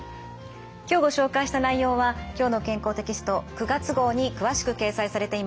今日ご紹介した内容は「きょうの健康」テキスト９月号に詳しく掲載されています。